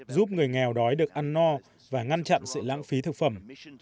giúp người nghèo đói được ăn no và ngăn chặn sự lãng phí thực phẩm